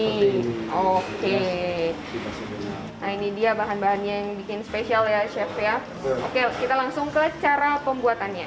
nah ini dia bahan bahannya yang bikin spesial ya chef ya oke kita langsung ke cara pembuatannya